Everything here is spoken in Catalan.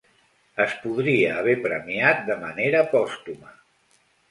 Es podria haver premiat de manera pòstuma.